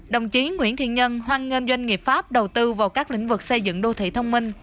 đồng chí nguyễn thiên nhân hoan nghênh doanh nghiệp pháp đầu tư vào các lĩnh vực xây dựng đô thị thông minh